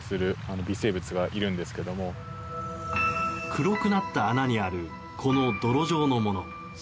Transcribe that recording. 黒くなった穴にあるこの泥状のもの。